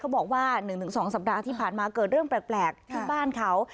บอกว่า๑๒สัปดาห์ที่ผ่านมาเกิดเรื่องแปลกที่บ้านเขา